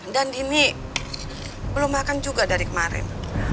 dan nini belum makan juga dari kemarin